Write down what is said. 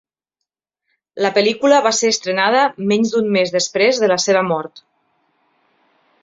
La pel·lícula va ser estrenada menys d'un mes després de la seva mort.